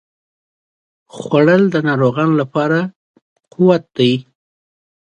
خوړل د ناروغانو لپاره قوت دی